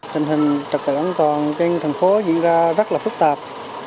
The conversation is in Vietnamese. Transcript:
tình hình trật tự an toàn trên thành phố diễn ra rất là phức tạp